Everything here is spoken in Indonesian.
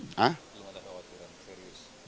belum ada khawatiran serius